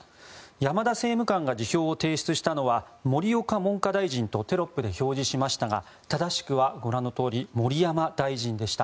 山田政務官が辞表を提出したのは盛岡文科大臣とテロップで表示しましたが正しくはご覧のとおり盛山大臣でした。